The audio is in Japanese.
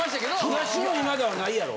東野今田は無いやろ？